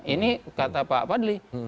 ini kata pak padli